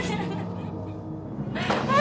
jangan aku mohon